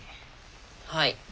はい。